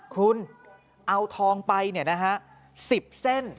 คุณเอาทองไป๑๐เส้น